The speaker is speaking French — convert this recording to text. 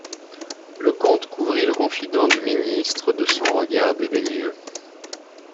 Le comte couvrit le confident du ministre de son regard dédaigneux.